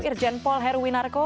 irjen paul heruwi narko